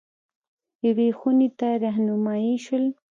یوې خونې ته رهنمايي شول.